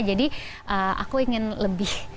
jadi aku ingin lebih